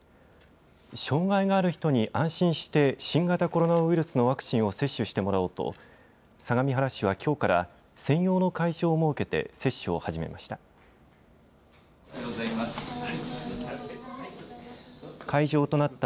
障害がある人に安心して新型コロナウイルスのワクチンを接種してもらおうと相模原市はきょうから専用の会場を設けて接種を始めました。